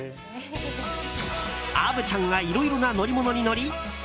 虻ちゃんがいろいろな乗り物に乗り